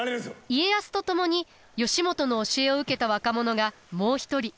家康と共に義元の教えを受けた若者がもう一人。